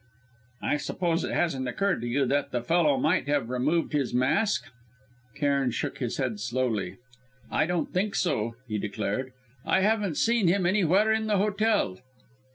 "I suppose it hasn't occurred to you that the fellow might have removed his mask?" Cairn shook his head slowly. "I don't think so," he declared; "I haven't seen him anywhere in the hotel."